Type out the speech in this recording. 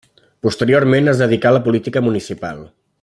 Posteriorment es dedicà a la política municipal.